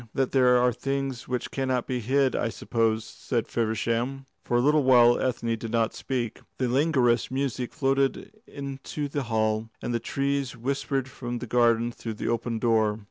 "That there are things which cannot be hid, I suppose," said Feversham. For a little while Ethne did not speak. The languorous music floated into the hall, and the trees whispered from the garden through the open door.